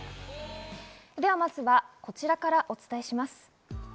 まずはこちらからお伝えします。